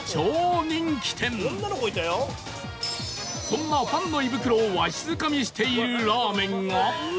こんなファンの胃袋をわしづかみしているラーメンが